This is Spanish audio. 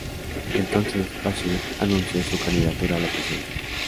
Entonces, Bashir anunció su candidatura a la presidencia.